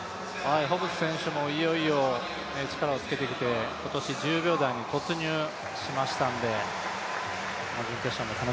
いよいよ力をつけてきて今年１０秒台に突入しましたので自己